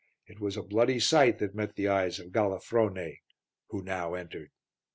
It was a bloody sight that met the eyes of Galafrone who now entered.